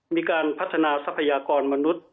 มีการพัฒนาทรัพยากรมนุษย์